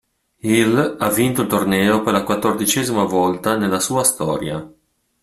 Il ha vinto il torneo per la quattordicesima volta nella sua storia.